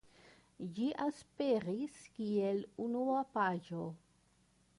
Ĝi aperis kiel unuopaĵo.